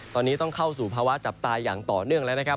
ตอนนี้ต้องเข้าสู่ภาวะจับตายอย่างต่อเนื่องแล้วนะครับ